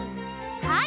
はい！